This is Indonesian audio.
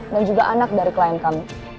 dan juga anak dari klien kami